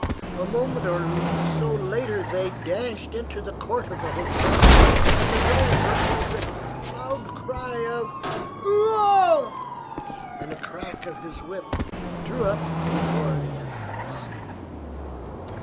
A moment later they dashed into the court of the hotel and the driver with a loud cry of "Oo ah!" and a crack of his whip drew up before the entrance.